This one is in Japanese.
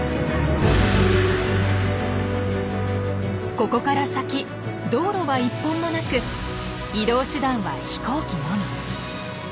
ここから先道路は１本もなく移動手段は飛行機のみ。